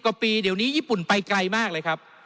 กว่าปีเดี๋ยวนี้ญี่ปุ่นไปไกลมากเลยครับ